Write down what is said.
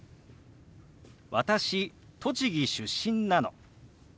「私栃木出身なの」。